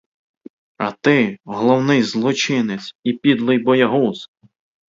А ти — головний злочинець і підлий боягуз!